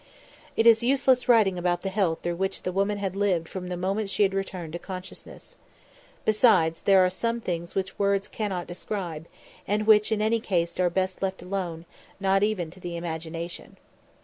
It is useless writing about the hell through which the woman had lived from the moment she had returned to consciousness. Besides, there are some things which words cannot describe, and which in any case are best left alone, not even to the imagination.